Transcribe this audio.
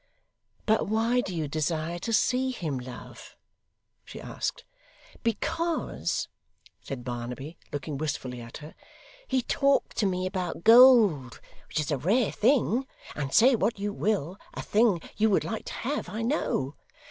'But why do you desire to see him, love?' she asked. 'Because,' said Barnaby, looking wistfully at her, 'he talked to me about gold, which is a rare thing, and say what you will, a thing you would like to have, I know.